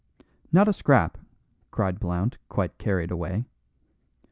"Not a scrap," cried Blount, quite carried away.